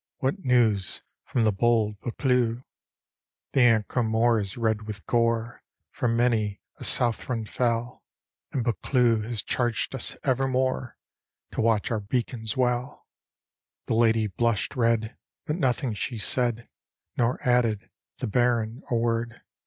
What news from the bold Buccleuch?" " The Ancram moor is red with gore. For many a Southron fell ; And Buccleuch has charged us, evermore, To watch our beacons well." — The lady blush'd red, but nothing she said: Nor added the Baron a word.